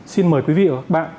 xin mời quý vị và các bạn